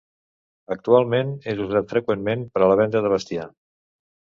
Actualment és usat freqüentment per a la venda de bestiar.